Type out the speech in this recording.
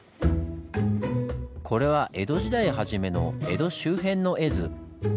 これは江戸時代初めの江戸周辺の絵図。